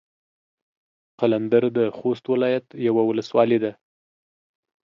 قلندر د خوست ولايت يوه ولسوالي ده.